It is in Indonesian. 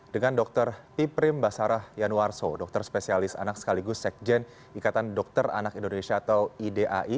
dengan dr iprim basarah yanuarso dokter spesialis anak sekaligus sekjen ikatan dokter anak indonesia atau idai